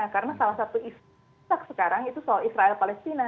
karena salah satu isyak sekarang itu soal israel palestina